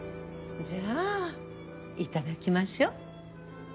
じゃあいただきましょう。